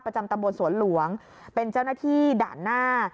ตำบลสวนหลวงเป็นเจ้าหน้าที่ด่านหน้า